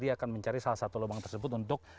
dia akan mencari salah satu lubang tersebut untuk